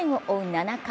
７回。